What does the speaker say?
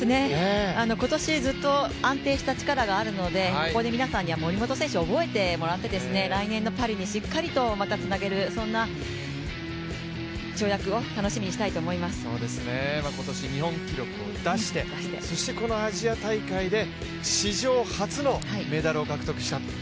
今年ずっと安定した力があるので日本の皆さんには皆さんには、ここで森本選手を覚えていただいて来年のパリに、しっかりとまたつなげる、そんな跳躍を今年日本記録を出してそして、このアジア大会で史上初のメダルを獲得したと。